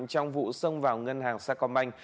trong vụ xông vào ngân hàng sacombank